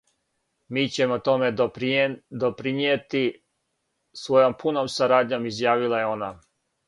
"Ми ћемо томе допринијети својом пуном сарадњом," изјавила је она."